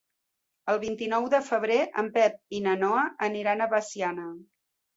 El vint-i-nou de febrer en Pep i na Noa aniran a Veciana.